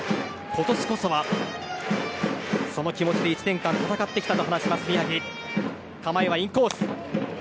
今年こそはと、その気持ちで１年間戦ってきたと話します宮城。